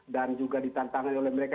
dan juga ditantangin oleh mereka